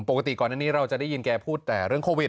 ปกติก่อนอันนี้เราจะได้ยินแกพูดแต่เรื่องโควิด